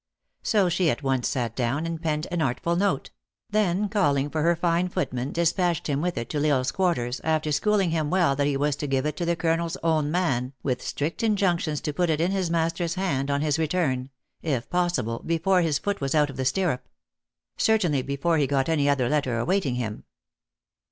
So she at once sat down and penned an artful note ; then calling for her fine footman, dis patched him with it to L Isle s quarters, after school ing him well that he was to give it to the colonel s own man, with strict injunctions to put it in his mas ters hand on his return if possible before his foot was out of the stirrup ; certainly > before he got any other letter awaiting him.